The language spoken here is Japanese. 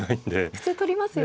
普通取りますよね。